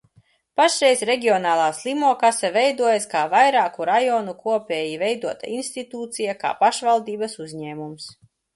Pašreiz reģionālā slimokase veidojas kā vairāku rajonu kopēji veidota institūcija, kā pašvaldības uzņēmums.